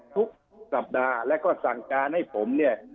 ทุกสัปดาห์แล้วก็สั่งการให้ผมเนี่ย